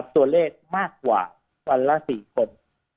ตัวเลขมากกว่าวันละ๔คน